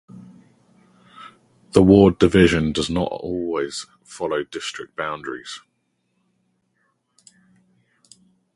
The ward division does not always follow district boundaries.